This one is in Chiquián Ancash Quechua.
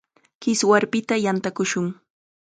Kiswarpita yantakushun.